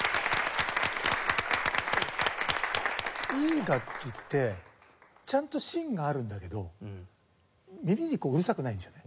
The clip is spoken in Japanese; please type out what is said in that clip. いい楽器ってちゃんと芯があるんだけど耳にうるさくないんですよね。